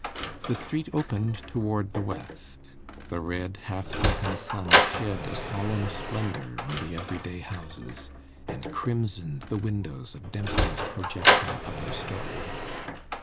The street opened toward the west. The red half sunken sun shed a solemn splendour on the everyday houses, and crimsoned the windows of Dempster's projecting upper storey.